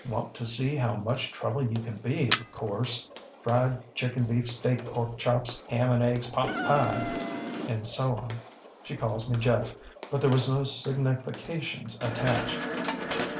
Want to see how much trouble you can be, of course. FriedchickenbeefsteakporkchopshamandeggspotpieŌĆÖŌĆöand so on. She called me Jeff, but there was no significations attached.